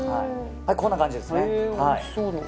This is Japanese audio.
こんな感じです。